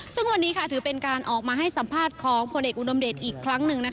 ซึ่งวันนี้ถือเป็นการออกมาให้สัมภาษณ์ของพลเอกอุดมเดชอีกครั้งหนึ่ง